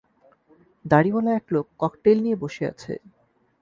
দাড়িওয়ালা এক লোক ককটেইল নিয়ে বসে আছে